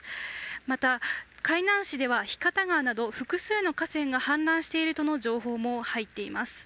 また、海南市では日方川など複数の河川が氾濫しているとの情報も入っています。